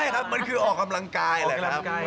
ใช่ครับมันคือออกกำลังกายแหละครับ